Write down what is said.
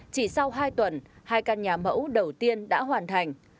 chỉ sau hai tuần hai căn nhà mẫu đầu tiên đã hoàn thành